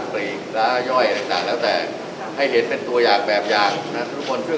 วันนี้ก็จะให้ทำทุกรวมแบบอย่างตัวอย่างที่ผู้โอกาสทำของเขาเอง